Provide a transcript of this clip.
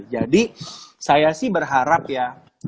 jadi saya sih berharap ya